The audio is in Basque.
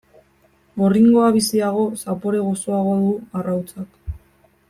Gorringoa biziago, zapore gozoagoa du arrautzak.